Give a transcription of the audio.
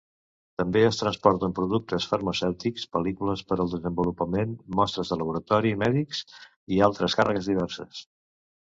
També es transporten productes farmacèutics, pel·lícules per al desenvolupament, mostres de laboratori mèdic i altres càrregues diverses.